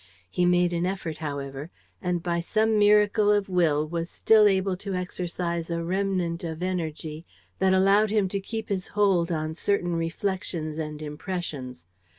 He made an effort, however, and by some miracle of will was still able to exercise a remnant of energy that allowed him to keep his hold on certain reflections and impressions.